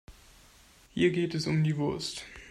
Hier geht es um die Wurst.